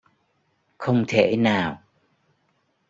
Không thể nào